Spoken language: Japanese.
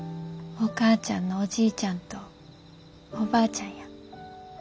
お母ちゃんのおじいちゃんとおばあちゃんや。